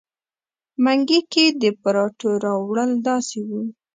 منګي کې د پراټو راوړل داسې وو.